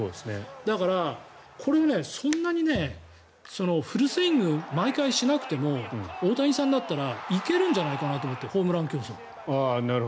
だから、そんなにフルスイングを毎回しなくても大谷さんだったら行けるんじゃないかなと思ってホームラン競争。